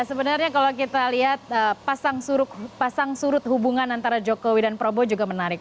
sebenarnya kalau kita lihat pasang surut hubungan antara jokowi dan prabowo juga menarik